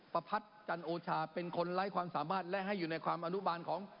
ประพัทธ์จันโอชาเป็นคนไร้ความสามารถและให้อยู่ในความอนุบาลของ